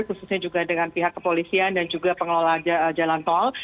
khususnya juga dengan pihak kepolisian dan juga pengelola jalan tol